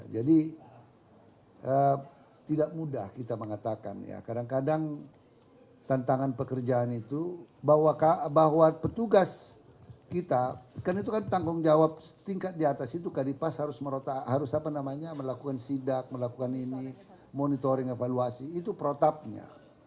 jadi tidak mudah kita mengatakan ya kadang kadang tantangan pekerjaan itu bahwa petugas kita kan itu kan tanggung jawab tingkat di atas itu kadipas harus merotak harus apa namanya melakukan sidak melakukan ini monitoring evaluasi itu protapnya